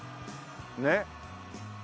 ねっ。